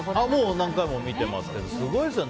何回も見てますけどすごいですよね。